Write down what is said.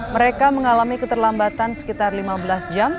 mereka mengalami keterlambatan sekitar lima belas jam